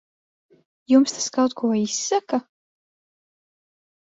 Jums tas kaut ko izsaka?